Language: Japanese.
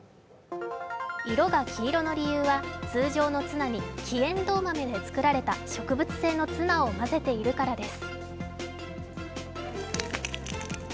色が黄色の理由は通常のツナに黄エンドウ豆で作られた植物性のツナを混ぜているからです。